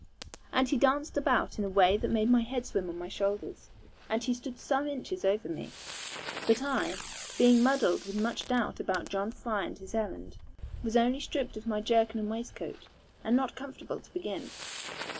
And he danced about in a way that made my head swim on my shoulders, and he stood some inches over me. But I, being muddled with much doubt about John Fry and his errand, was only stripped of my jerkin and waistcoat, and not comfortable to begin.